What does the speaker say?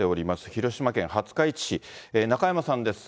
広島県廿日市市、中山さんです。